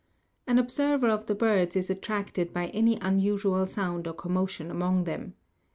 An observer of the birds is attracted by any unusual sound or commotion among them.